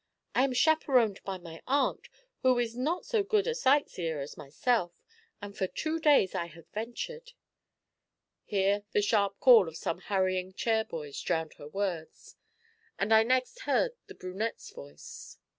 I am chaperoned by my aunt, who is not so good a sight seer as myself, and for two days I have ventured ' Here the sharp call of some hurrying chair boys drowned her words, and I next heard the brunette's voice.